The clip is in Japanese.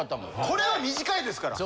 これは短いですから。